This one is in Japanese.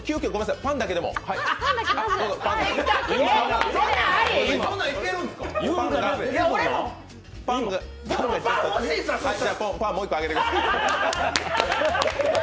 パンもう一個あげてください。